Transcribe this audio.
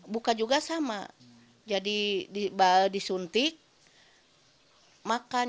buka juga sama jadi disuntik makan